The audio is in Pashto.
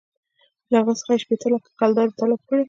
له هغه څخه یې شپېته لکه کلدارې طلب کړې.